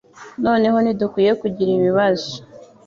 Noneho ntidukwiye kugira ibibazo.